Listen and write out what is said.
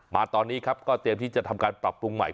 มาตอนนี้ครับก็เตรียมที่จะทำการปรับปรุงใหม่